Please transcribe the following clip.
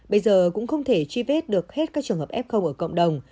bây giờ cũng không thể truy vết được hết các trường hợp f ở cộng đồng